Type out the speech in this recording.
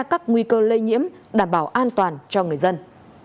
các nguy cơ lây nhiễm đảm bảo an toàn cho người dân